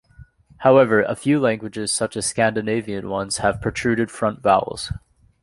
However, a few languages, such as Scandinavian ones, have protruded front vowels.